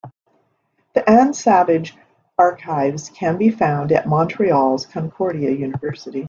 The Anne Savage Archives can be found at Montreal's Concordia University.